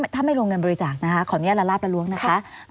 ถ้าไม่ลงเงินบริจาคนะคะขออนุญาตละลาบละล้วงนะคะ